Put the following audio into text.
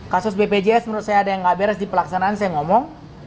kasus bpjs menurut saya ada yang gak beres di pelaksanaan saya ngomong